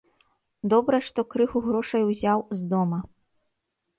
Добра, што крыху грошай узяў з дома.